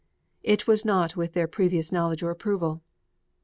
It was not with their previous knowledge or approval.